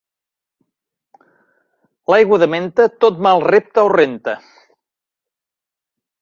L'aigua de menta tot mal repta o renta.